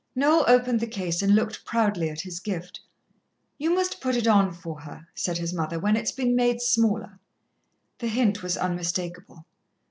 Noel opened the case and looked proudly at his gift. "You must put it on for her," said his mother, "when it's been made smaller." The hint was unmistakable.